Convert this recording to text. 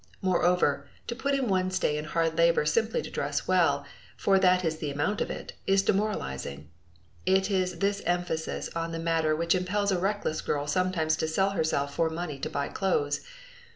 Moreover, to put in one's days in hard labor simply to dress well, for that is the amount of it, is demoralizing. It is this emphasis on the matter which impels a reckless girl sometimes to sell herself for money to buy clothes.